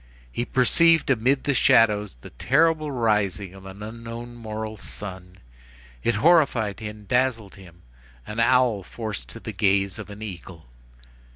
He perceived amid the shadows the terrible rising of an unknown moral sun; it horrified and dazzled him. An owl forced to the gaze of an eagle.